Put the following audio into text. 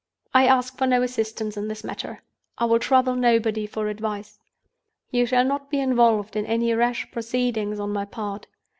"I ask for no assistance in this matter; I will trouble nobody for advice. You shall not be involved in any rash proceedings on my part.